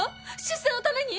出世のために？